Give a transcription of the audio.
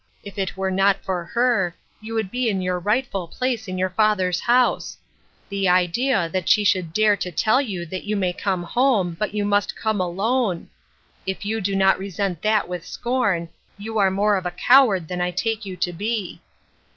If it were not for her, you would be in your rightful place in your father's house ! The idea that she should dare to tell you that you may come home, but you must come alone ! If you do not resent that with scorn, you are more of a coward than I take you to be."